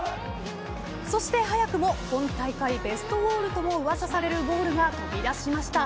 そして早くも今大会ベストゴールとも噂されるゴールが飛び出しました。